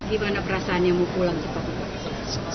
gimana perasaannya mau pulang cepat cepat